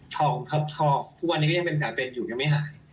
ชอบทุกวันนี้ก็ยังเป็นขาเป็นอยู่ยังไม่หาย